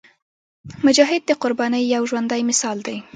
مجاهد د قربانۍ یو ژوندی مثال دی.